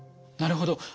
なるほど。